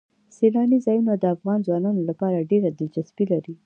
سیلاني ځایونه د افغان ځوانانو لپاره ډېره دلچسپي لري.